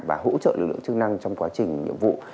và hỗ trợ lực lượng chức năng trong quá trình nhiệm vụ